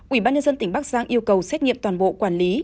ủy ban nhân dân tỉnh bắc giang yêu cầu xét nghiệm toàn bộ quản lý